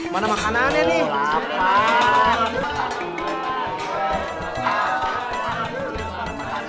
masak aja pak